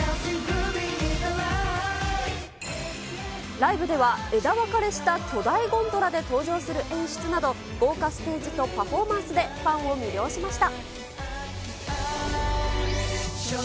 ライブでは、枝分かれした巨大ゴンドラで登場する演出など、豪華ステージとパフォーマンスでファンを魅了しました。